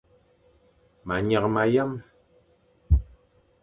Ma nyeghe ma yam.